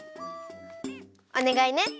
おねがいね。